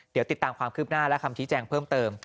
เดี๋ยวติดตามความคืบหน้าและคำชี้แจงเพิ่มเติม